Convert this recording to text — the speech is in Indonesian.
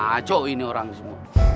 macok ini orang semua